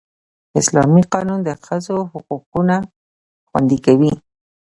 اسلامي قانون د ښځو حقونه خوندي کوي